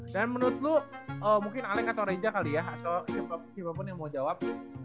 dan menurut lo mungkin aleng atau reza kali ya atau siapapun yang mau jawab